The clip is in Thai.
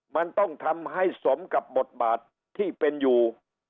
มันต้องทำให้สมกับบทบาทที่เป็นอยู่